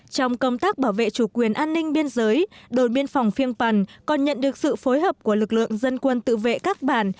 trong công tác bảo vệ chủ quyền an ninh biên giới đồn biên phòng phiêng pần còn nhận được sự phối hợp của lực lượng dân quân tự vệ các bản